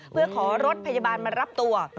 เพื่อขอรถพยาบาลมารับตัว